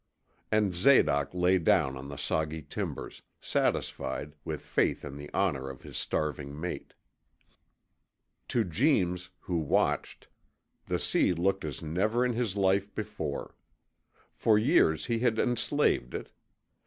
And Zadoc lay down on the soggy timbers, satisfied, with faith in the honor of his starving mate. To Jeems, who watched, the sea looked as never in his life before. For years he had enslaved it.